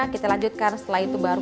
kita lanjutkan setelah itu baru